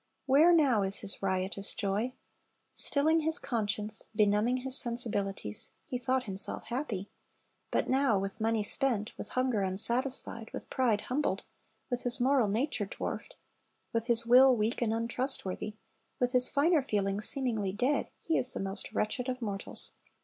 Where now is his riotous joy? Stilling his conscience, benumbing his .sensibilities, he thought himself happy; but now, with money spent, with hunger unsatisfied, with pride humbled, with his moral nature dwarfed, with his will weak and untrustworthy, with his finer feelings seemingly dead, he is the most wretched of mortals.